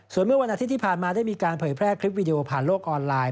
ส่วนเมื่อวันอาทิตย์ที่ผ่านมาได้มีการเผยแพร่คลิปวิดีโอผ่านโลกออนไลน์